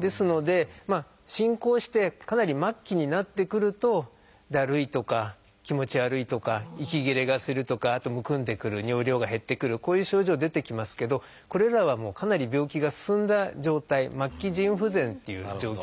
ですので進行してかなり末期になってくるとだるいとか気持ち悪いとか息切れがするとかあとむくんでくる尿量が減ってくるこういう症状出てきますけどこれらはかなり病気が進んだ状態末期腎不全っていう状況なんですね。